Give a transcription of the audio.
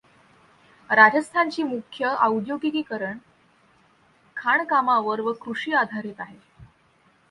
राजस्थानची मुख्य औद्योगिकीकरण खाणकामावर व कृषीआधारित आहे.